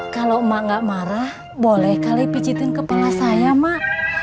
kalau emak gak marah boleh kali picitin kepala saya mak